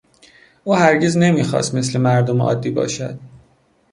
او هرگز نمیخواست مثل مردم عادی باشد.